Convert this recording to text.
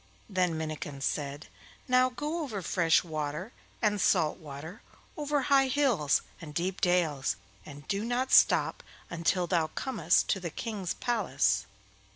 Then Minnikin said: 'Now go over fresh water and salt water, over high hills and deep dales, and do not stop until thou comest to the King's palace.